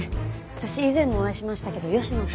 私以前もお会いしましたけど吉野と。